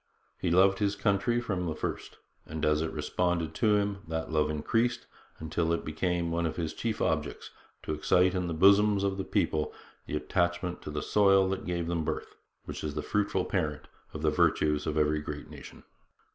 He loved his country from the first, and, as it responded to him, that love increased, until it became one of his chief objects to excite in the bosoms of the people the attachment to the soil that gave them birth, which is the fruitful parent of the virtues of every great nation.